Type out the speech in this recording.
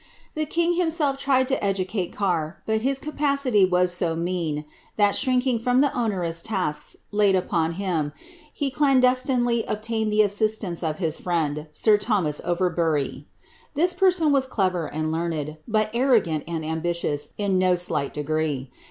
The king himself tried to educate Carr, but his capacity was so mean, that, shrinking from the onerous tasks laiil upon liim. he clati deslineiy obtained the assistance of his friend, sir Thomas Overburv This person was clever and learned, but arrogatit and ambiiious in no slight degree.